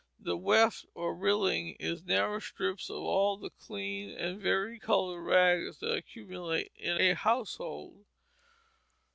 The weft or rilling is narrow strips of all the clean and vari colored rags that accumulate in a household.